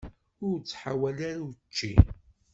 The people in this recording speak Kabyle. Ur ttḥawal ara učči.